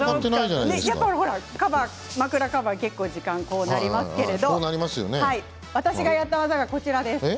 枕カバー、結構時間がかかってこうなりますけれども私がやった技がこちらです。